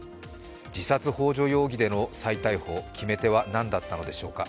自殺ほう助容疑での再逮捕決め手は何だったのでしょうか。